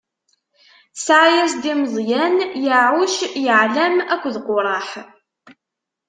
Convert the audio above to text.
Tesɛa-as-d i Meẓyan: Yaɛuc, Yaɛlam akked Quraḥ.